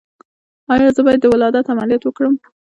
ایا زه باید د ولادت عملیات وکړم؟